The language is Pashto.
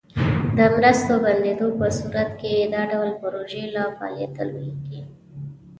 د مرستو بندیدو په صورت کې دا ډول پروژې له فعالیته لویږي.